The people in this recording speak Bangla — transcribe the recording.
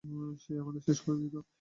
সে আমাদের শেষ করে দিত।